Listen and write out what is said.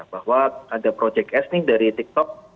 bahwa ada project s nih dari tiktok